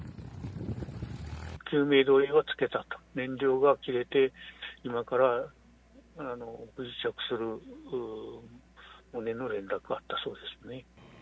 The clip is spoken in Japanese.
救命胴衣はつけたと、燃料が切れて、今から不時着する旨の連絡があったそうですね。